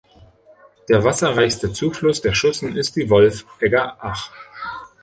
Der wasserreichste Zufluss der Schussen ist die Wolfegger Ach.